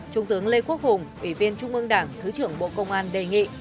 trung tướng lê quốc hùng ủy viên trung ương đảng thứ trưởng bộ công an đề nghị